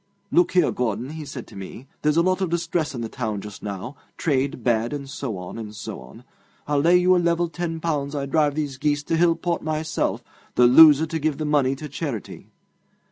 "Look here, Gordon," he said to me: "there's a lot of distress in the town just now trade bad, and so on, and so on. I'll lay you a level ten pounds I drive these geese to Hillport myself, the loser to give the money to charity."